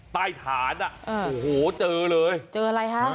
ใต้ฐานอ่ะโอ้โหเจอเลยเจออะไรฮะ